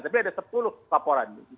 tapi ada sepuluh laporan